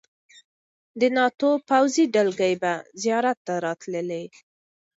د ناټو پوځي دلګۍ به زیارت ته راتللې.